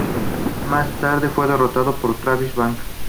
Más tarde, fue derrotado por Travis Banks.